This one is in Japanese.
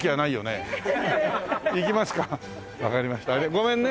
ごめんね。